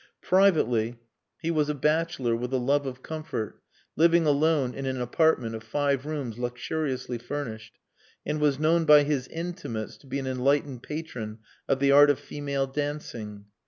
Privately he was a bachelor with a love of comfort, living alone in an apartment of five rooms luxuriously furnished; and was known by his intimates to be an enlightened patron of the art of female dancing.